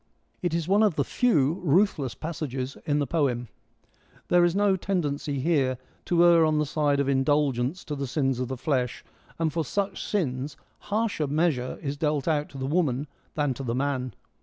It is one of the few ruthless passages in the poem : there is no tendency here to err on the side of indulgence to the sins of the flesh, and for such sins harsher measure is dealt out to the woman than to the man.